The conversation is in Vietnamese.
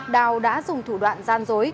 đào đã dùng thủ đoạn gian dối